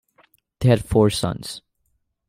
They had four sons.